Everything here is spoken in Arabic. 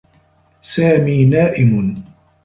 سامي نائم.